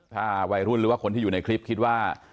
ถ้าวัยรุ่นหรือว่าคนที่อยู่ในคลิปคิดว่า